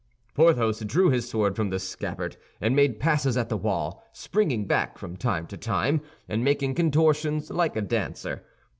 Porthos drew his sword from the scabbard, and made passes at the wall, springing back from time to time, and making contortions like a dancer.